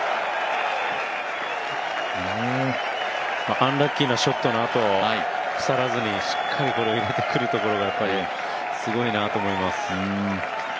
アンラッキーなショットのあと、くさらずにこれを入れてくるところがやっぱりすごいなと思います。